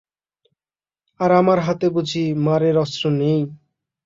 আর আমার হাতে বুঝি মারের অস্ত্র নেই?